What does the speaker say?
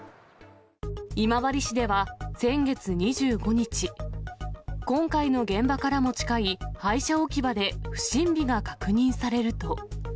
今治市では先月２５日、今回の現場からも近い廃車置き場で不審火が確認されると。